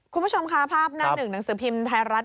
คุณผู้ชมค่ะภาพหน้าหนึ่งหนังสือพิมพ์ไทยรัฐ